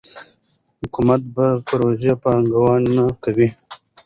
حکومت په پروژو پانګونه کوي.